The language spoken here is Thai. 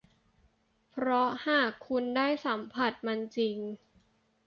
เพราะหากคุณได้สัมผัสมันจริง